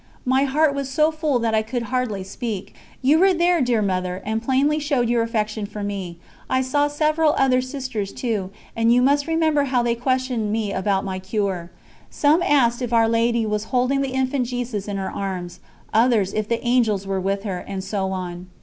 My heart was so full that I could hardly speak. You were there, dear Mother, and plainly showed your affection for me; I saw several other Sisters too, and you must remember how they questioned me about my cure. Some asked if Our Lady was holding the Infant Jesus in her arms, others if the Angels were with her, and so on.